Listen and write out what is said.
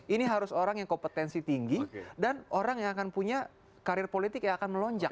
ini harus orang yang kompetensi tinggi dan orang yang akan punya karir politik yang akan melonjak